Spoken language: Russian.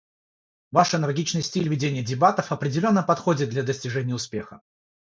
Ваш энергичный стиль ведения дебатов определенно подходит для достижения успеха.